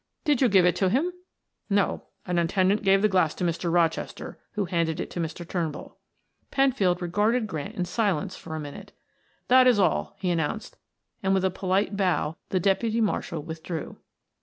"Did you give it to him?" "No, an attendant gave the glass to Mr. Rochester who handed it to Mr. Turnbull." Penfield regarded Grant in silence for a minute. "That is all," he announced, and with a polite bow the deputy marshal withdrew.